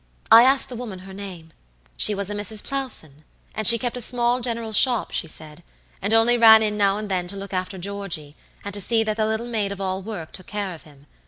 "I asked the woman her name. She was a Mrs. Plowson, and she kept a small general shop, she said, and only ran in now and then to look after Georgey, and to see that the little maid of all work took care of him.